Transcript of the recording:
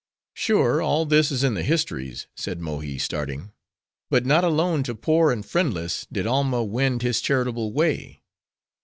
"Sure, all this is in the histories!" said Mohi, starting. "But not alone to poor and friendless, did Alma wend his charitable way.